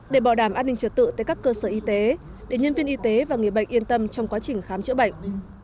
để bảo đảm an ninh trật tự tại các cơ sở y tế để nhân viên y tế và người bệnh yên tâm trong quá trình khám chữa bệnh